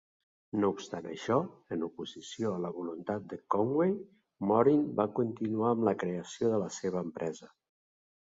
No obstant això, en oposició a la voluntat de Conway, Morin va continuar amb la creació de la seva empresa.